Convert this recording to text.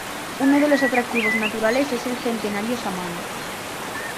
Uno de los atractivos naturales es el centenario samán.